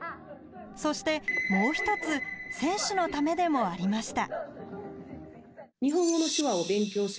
そしてもう１つ選手のためでもありました。